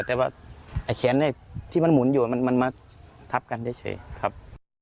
แต่ว่าไอ้แขนที่มันหมุนอยู่มันมาทับกันเฉยครับ